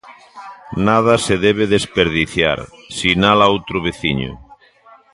Nada se debe desperdiciar, sinala outro veciño.